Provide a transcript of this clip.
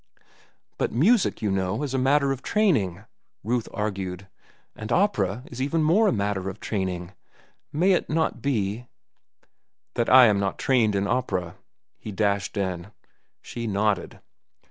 "But music, you know, is a matter of training," Ruth argued; "and opera is even more a matter of training. May it not be—" "That I am not trained in opera?" he dashed in. She nodded.